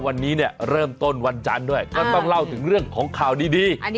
วันนี้เนี่ยเริ่มต้นวันจันทร์ด้วยก็ต้องเล่าถึงเรื่องของข่าวดี